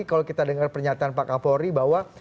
kalau kita dengar pernyataan pak kapolri bahwa